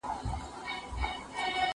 ما د ملا نه د آذان په لور قدم ايښی دی